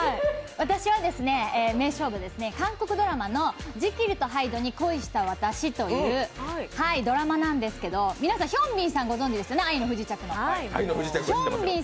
私が紹介したい名勝負は韓国ドラマの「ジキルとハイドに恋した私」というドラマなんですけど皆さん、ヒョンビンさんご存じですね、「愛の不時着」の。